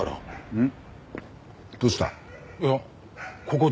うん。